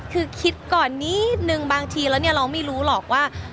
คือคิดก่อนนิดนึงบางทีแล้วเนี่ยเราไม่รู้หรอกว่า